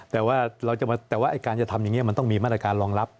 แต่ว่าแต่ว่าการจะทำอย่างนี้มันต้องมีมาตรการรองรับ